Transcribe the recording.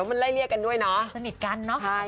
สนิทกันด้วยเนาะสนิทกันเนาะ